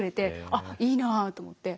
あっいいなと思って。